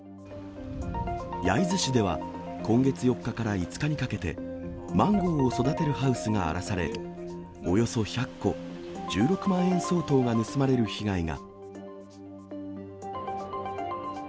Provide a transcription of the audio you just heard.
焼津市では今月４日から５日にかけて、マンゴーを育てるハウスが荒らされ、およそ１００個、１６万円相当が盗まれる被害が。